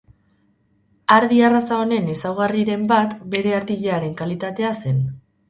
Ardi arraza honen ezaugarriren bat bere artilearen kalitatea zen.